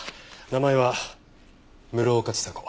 名前は室岡千佐子。